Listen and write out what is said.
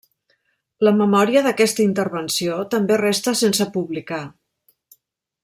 La memòria d'aquesta intervenció també resta sense publicar.